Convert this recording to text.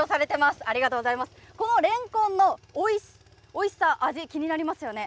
このレンコンのおいしさ、味、気になりますよね。